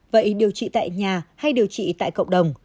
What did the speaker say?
vậy điều trị tại nhà hay điều trị tại cộng đồng